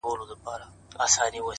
او د قبرونو پر کږو جنډيو!!